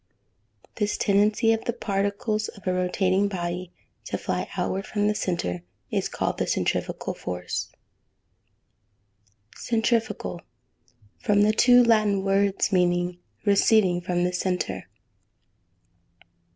This tendency of the particles of a rotating body to fly outward from the centre, is called the centrifugal force. Centrifugal. From two Latin words meaning receding from the centre.